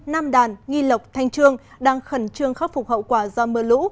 nam đàn nghi lộc thanh trương đang khẩn trương khắc phục hậu quả do mưa lũ